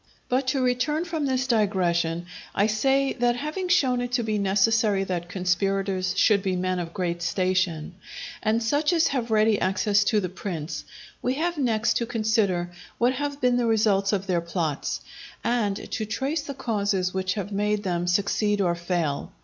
But to return from this digression, I say, that having shown it to be necessary that conspirators should be men of great station, and such as have ready access to the prince, we have next to consider what have been the results of their plots, and to trace the causes which have made them succeed or fail.